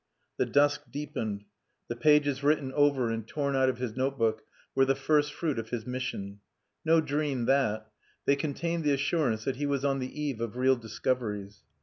The dusk deepened. The pages written over and torn out of his notebook were the first fruit of his "mission." No dream that. They contained the assurance that he was on the eve of real discoveries.